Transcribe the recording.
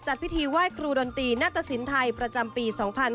จัดพิธีไหว้ครูดนตรีนาตสินไทยประจำปี๒๕๕๙